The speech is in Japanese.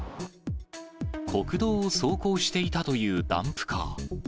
国道を走行していたというダンプカー。